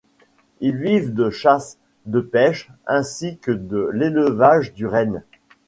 Ils vivent de chasse, de pêche, ainsi que de l'élevage du renne.